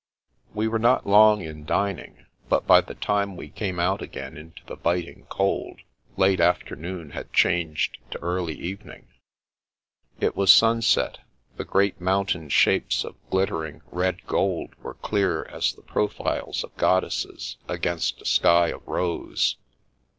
' We were not long in dining, but by the time we came out again into the biting cold, late afternoon had changed to early evening. It was sunset. The great mountain shapes of glittering, red gold were clear as the profiles of god desses, against a sky of rose.